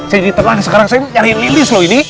saya jadi tenang sekarang saya nyariin lilis loh ini